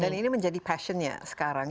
ini menjadi passionnya sekarang